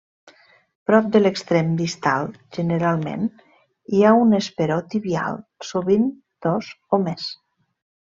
Prop de l'extrem distal generalment hi ha un esperó tibial, sovint dos o més.